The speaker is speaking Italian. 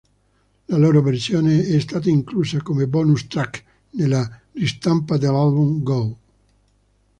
La loro versione è stata inclusa come bonus track nella ristampa dell'album "Goo".